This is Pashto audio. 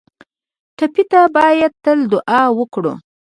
ټپي ته باید تل دعا وکړو